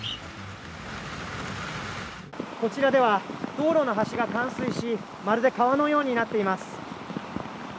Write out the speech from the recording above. こちらでは道路の端が冠水し、まるで川のようになっています。